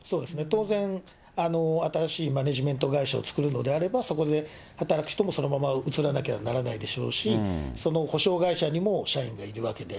当然、新しいマネジメント会社を作るのであれば、そこで働く人もそのまま移らなきゃならないでしょうし、その補償会社にも、社員がいるわけで。